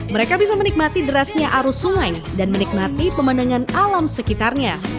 mereka bisa menikmati derasnya arus sungai dan menikmati pemandangan alam sekitarnya